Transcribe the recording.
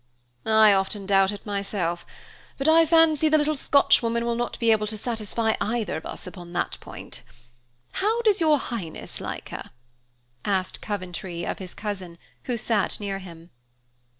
"I often doubt it, myself; but I fancy the little Scotchwoman will not be able to satisfy either of us upon that point. How does your highness like her?" asked Coventry of his cousin, who sat near him.